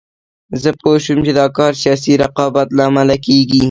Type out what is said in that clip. زه پوه شوم چې دا کار سیاسي رقابت له امله کېږي.